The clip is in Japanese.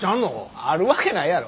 あるわけないやろ。